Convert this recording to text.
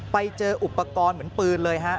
ไปเจออุปกรณ์เหมือนปืนเลยฮะ